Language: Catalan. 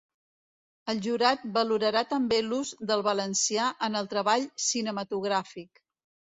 El jurat valorarà també l’ús del valencià en el treball cinematogràfic.